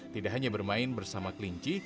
tidak hanya bermain bersama kelinci